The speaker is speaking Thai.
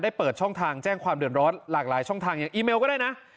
เปิดช่องทางแจ้งความเดือดร้อนหลากหลายช่องทางอย่างอีเมลก็ได้นะ